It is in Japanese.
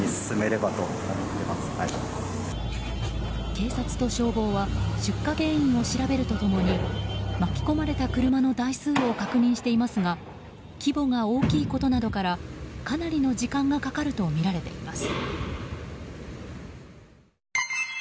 警察と消防は出火原因を調べると共に巻き込まれた車の台数を確認していますが規模が大きいことなどからかなりの時間がかかるとみられています。